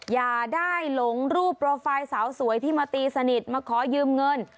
อย่าได้หลงรูปโปรไฟล์สาวสวยที่มาตีสนิทมาขอยืมเงิน